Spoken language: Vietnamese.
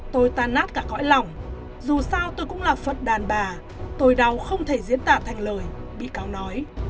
tôi tan nát cả cõi lòng dù sao tôi cũng là phật đàn bà tôi đau không thể diễn tả thành lời bị cáo nói